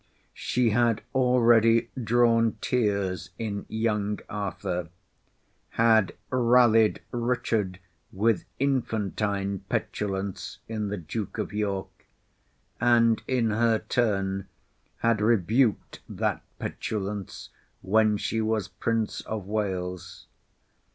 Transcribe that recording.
She had already drawn tears in young Arthur; had rallied Richard with infantine petulance in the Duke of York; and in her turn had rebuked that petulance when she was Prince of Wales.